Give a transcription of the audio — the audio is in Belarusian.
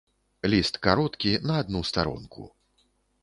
Ліст кароткі, на адну старонку.